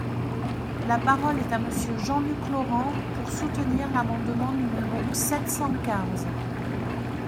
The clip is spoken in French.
La parole est à Monsieur Jean-Luc Laurent, pour soutenir l’amendement numéro sept cent quinze.